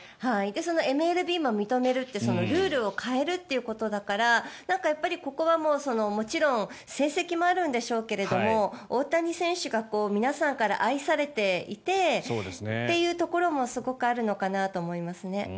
ＭＬＢも認めるってルールを変えるということだからここはもちろん成績もあるんでしょうけども大谷選手が皆さんから愛されていてというところもすごくあるのかなと思いますね。